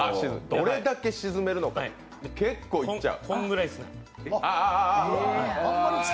どれだけ沈めるのか、結構いっちゃう。